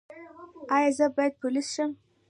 ایا زه باید پولیس شم؟